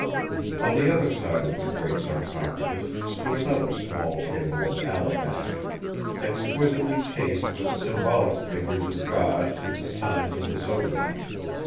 On the other side of the great sarcophagus stood another small table of alabaster, exquisitely chased with symbolic figures of gods and the signs of the zodiac.